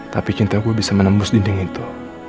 tapi cinta gue bisa menembus dinding itu